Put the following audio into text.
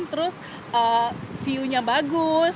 terus view nya bagus